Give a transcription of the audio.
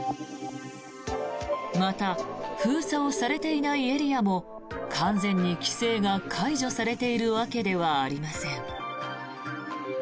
また封鎖をされていないエリアも完全に規制が解除されているわけではありません。